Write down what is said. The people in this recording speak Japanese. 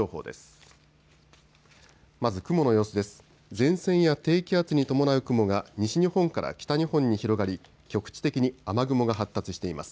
前線や低気圧に伴う雲が西日本から北日本に広がり局地的に雨雲が発達しています。